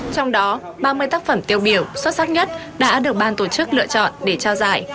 trong đó ba mươi tác phẩm tiêu biểu xuất sắc nhất đã được ban tổ chức lựa chọn để trao giải